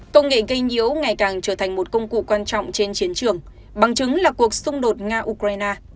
công nghệ gây nhiễu ngày càng trở thành một công cụ quan trọng trên chiến trường bằng chứng là cuộc xung đột nga ukraine